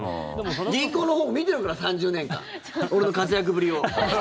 銀行のほうも見ているから３０年間、俺の活躍ぶりを。